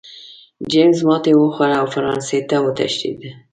جېمز ماتې وخوړه او فرانسې ته وتښتېد.